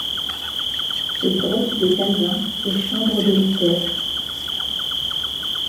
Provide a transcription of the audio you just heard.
Et grotte de Calvin, et chambre de Luther